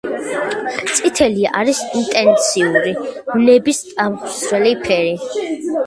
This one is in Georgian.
წითელი არის ინტენსიური, ვნების აღმძვრელი ფერი.